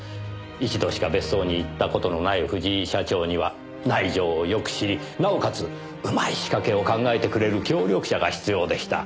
一度しか別荘に行った事のない藤井社長には内情をよく知りなおかつうまい仕掛けを考えてくれる協力者が必要でした。